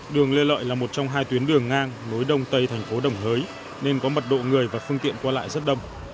đường lê lợi là một trong hai tuyến đường ngang nối đông tây thành phố đồng hới nên có mật độ người và phương tiện qua lại rất đông